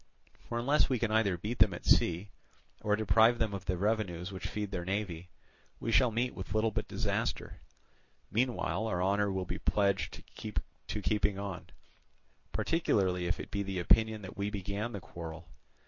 For unless we can either beat them at sea, or deprive them of the revenues which feed their navy, we shall meet with little but disaster. Meanwhile our honour will be pledged to keeping on, particularly if it be the opinion that we began the quarrel.